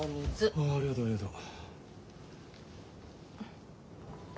あありがとうありがとう。